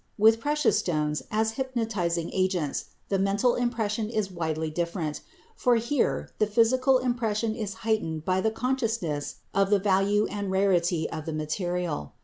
With precious stones as hypnotizing agents, the mental impression is widely different, for here the physical impression is heightened by the consciousness of the value and rarity of the material.